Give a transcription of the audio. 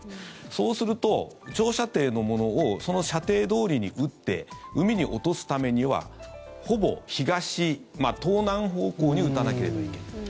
そうすると、長射程のものをその射程どおりに撃って海に落とすためにはほぼ東、東南方向に撃たなければいけない。